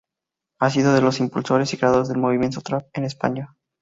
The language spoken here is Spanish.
Ha sido uno de los impulsores y creadores del movimiento trap en España.